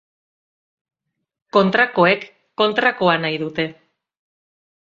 Kontrakoek kontrakoa nahi dute.